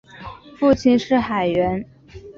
父亲是海员。